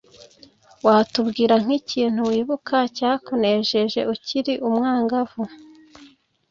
watubwira nk’ikintu wibuka cyakunejeje ukiri umwangavu?